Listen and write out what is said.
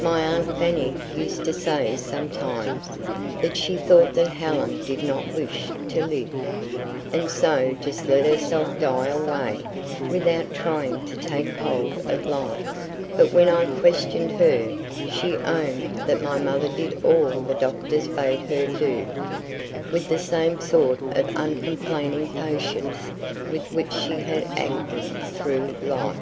My aunt Fanny used to say sometimes, that she thought that Helen did not wish to live, and so just let herself die away without trying to take hold on life; but when I questioned her, she owned that my mother did all the doctors bade her do, with the same sort of uncomplaining patience with which she had acted through life.